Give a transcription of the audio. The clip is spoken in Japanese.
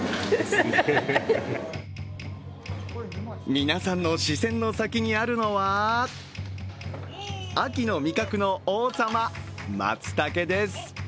皆さんの視線の先にあるのは秋の味覚の王様・まつたけです。